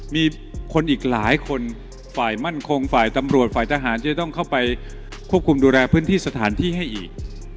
มีคนอีกหลายคนฝ่ายมั่นคงฝ่ายตำรวจฝ่ายทหารจะต้องเข้าไปควบคุมดูแลพื้นที่สถานที่ให้อีก